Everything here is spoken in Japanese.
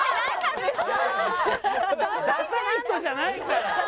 ダサい人じゃないから。